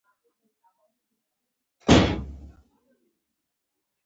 افغانستان باید سرلوړی شي